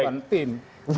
kita tidak tin